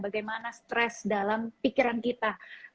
bagaimana stres dalam pikiran kita